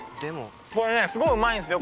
これねすごいうまいんですよ。